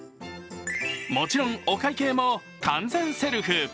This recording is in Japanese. もちろんお会計も完全セルフ。